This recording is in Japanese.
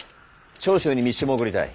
長州に密使も送りたい。